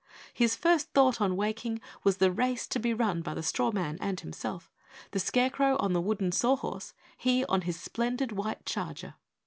His first thought on waking was the race to be run by the straw man and himself, the Scarecrow on the wooden saw horse, he on his splendid white charger.